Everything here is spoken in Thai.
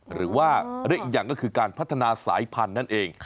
หรือว่าเรียกอีกอย่างก็คือการพัฒนาสายพันธุ์นั่นเอง